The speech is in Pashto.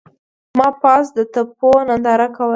ما پاس د تپو ننداره کوله.